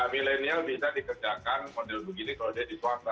milenial bisa dikerjakan model begini kalau dia di swasta